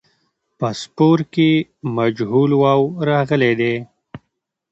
په سپور کې مجهول واو راغلی دی.